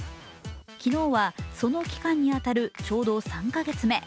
昨日はその期間に当たるちょうど３か月目。